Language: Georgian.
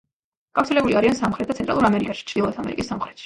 გავრცელებული არიან სამხრეთ და ცენტრალურ ამერიკაში, ჩრდილოეთ ამერიკის სამხრეთში.